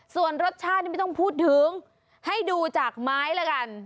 ส่วนรสชาตินี่ไม่ต้องพูดถึงให้ดูจากไม้ละกัน